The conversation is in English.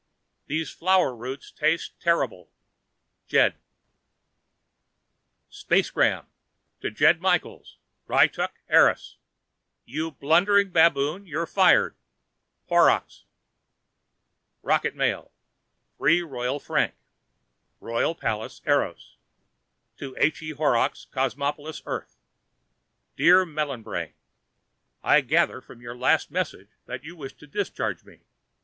These flower roots taste terrible. Jed SPACEGRAM To: Jed Michaels, Ryttuk, Eros YOU BLUNDERING BABOON, YOU'RE FIRED. HORROCKS ROCKET MAIL (Free, Royal Frank) Royal Palace, Eros To: H. E. Horrocks, Cosmopolis, Earth Dear melon brain: I gather from your last message that you wish to discharge me.